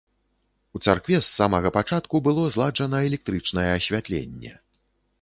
У царкве з самага пачатку было зладжана электрычнае асвятленне.